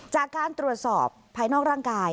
จากการตรวจสอบภายนอกร่างกาย